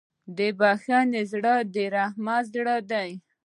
د بښنې زړه د رحمت زړه دی.